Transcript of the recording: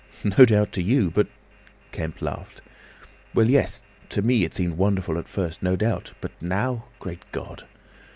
"No doubt, to you, but—" Kemp laughed. "Well, yes; to me it seemed wonderful at first, no doubt. But now, great God!